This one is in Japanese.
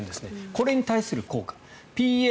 これに対する効果。